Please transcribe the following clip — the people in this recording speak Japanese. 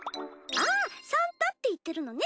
ああサンタって言ってるのね。